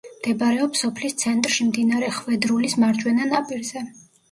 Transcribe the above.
მდებარეობს სოფლის ცენტრში, მდინარე ხვედრულის მარჯვენა ნაპირზე.